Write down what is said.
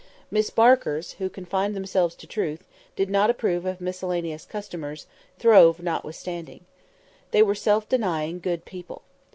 Miss Barkers, who confined themselves to truth, and did not approve of miscellaneous customers, throve notwithstanding. They were self denying, good people.